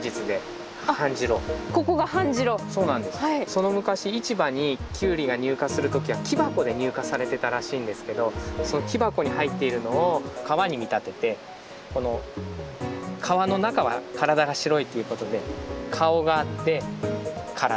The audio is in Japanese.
その昔市場にキュウリが入荷する時は木箱で入荷されてたらしいんですけどその木箱に入っているのを川に見立ててこの川の中は体が白いということで顔があって体。